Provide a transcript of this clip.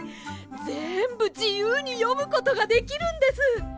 ぜんぶじゆうによむことができるんです。